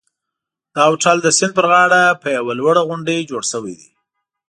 دا هوټل د سیند پر غاړه په یوه لوړه غونډۍ جوړ شوی دی.